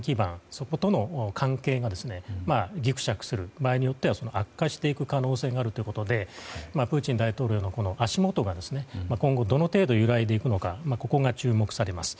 そことの関係がぎくしゃくする場合によっては悪化していく可能性があるということでプーチン大統領の足元が今後、どの程度揺らいでいくのかが注目されます。